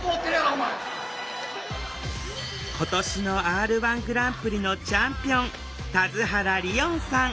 今年のＲ−１グランプリのチャンピオン田津原理音さん。